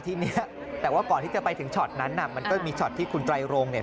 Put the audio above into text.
ทีนี้แต่ว่าก่อนที่จะไปถึงช็อตนั้นน่ะมันก็มีช็อตที่คุณไตรโรงเนี่ย